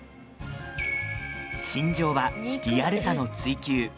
信条は、リアルさの追求。